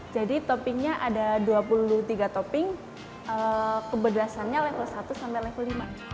jadi toppingnya ada dua puluh tiga topping kepedasannya level satu sampai level lima